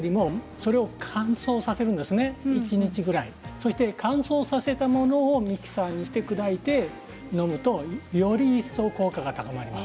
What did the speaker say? それを乾燥させたものをミキサーにして砕いて飲むとより一層、効果が高まります。